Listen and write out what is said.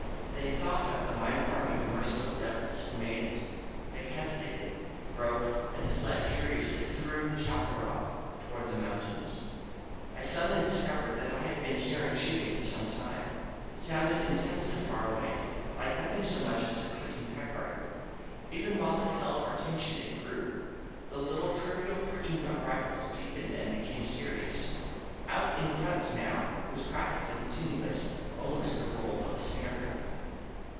They thought of the mighty army of merciless devils who made it. They hesitated, broke — and fled furi ously through the chaparral toward the mountains. I suddenly discovered that I had been hearing shoot ing for some time. It sounded immensely far away — like nothing so much as a clicking typewriter. Even while it held our attention it grew. The little trivial pricking of rifles deepened and became serious. Out in 86 INSURGENT MEXICO front now it was practically continuous — almost the roll of a snare drum.